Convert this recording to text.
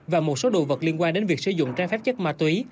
và một số đồ vật liên quan đến việc sử dụng trái phép chất ma túy